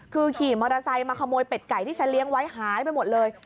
คือขี่มอเตอร์ไซค์มาขโมยเป็ดไก่ที่ฉันเลี้ยงไว้หายไปหมดเลย